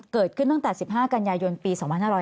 เกิดขึ้นตั้งแต่๑๕กันยายนปี๒๕๕๙